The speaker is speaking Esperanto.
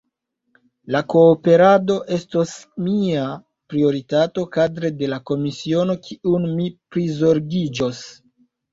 La kooperado estos mia prioritato kadre de la komisiono kiun mi prizorgiĝos.